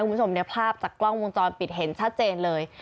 คุณผู้ชมเนี่ยภาพจากกล้องวงจรปิดเห็นชัดเจนเลย